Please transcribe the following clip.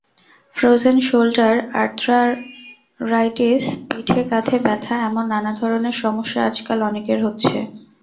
Frozen shoulder, arthritis, পিঠে কাঁধে ব্যথা—এমন নানা ধরনের সমস্যা আজকাল অনেকের হচ্ছে।